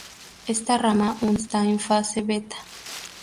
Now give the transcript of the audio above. Esta rama aún esta en fase beta.